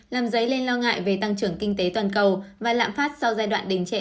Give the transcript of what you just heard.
làm dấy lên lo ngại về tăng trưởng kinh tế toàn cầu và lạm phát sau giai đoạn đình trễ